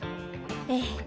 ええ。